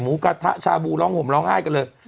หมูกาหทะชาบูล้องห่มล้องอ้ายก็เลย